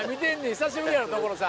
久しぶりやろ所さん。